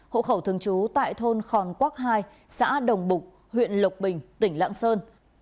hộ khẩu thường trú tại thôn khòn quắc hai xã đồng bục huyện lộc bình tỉnh lãng sơn